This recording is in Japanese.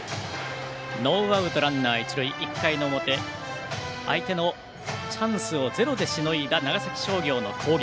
ノーアウトランナー、一塁１回の表、相手のチャンスをゼロでしのいだ長崎商業の攻撃。